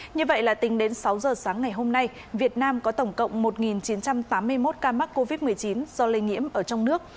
như vậy là tính đến sáu giờ sáng ngày hôm nay việt nam có tổng cộng một chín trăm tám mươi một ca mắc covid một mươi chín do lây nhiễm ở trong nước